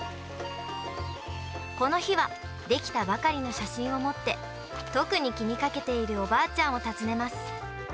この日は、出来たばかりの写真を持って、特に気にかけているおばあちゃんを訪ねます。